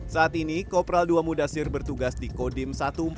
saat ini kopral ii mudasir bertugas di kodim seribu empat ratus lima